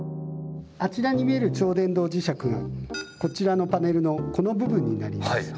あちらに見える超電導磁石がこちらのパネルのこの部分になります。